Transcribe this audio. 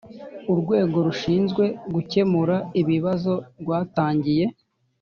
urwego rushinzwe gukemura ibibazo rwatangiye